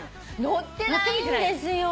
乗ってないんですよ。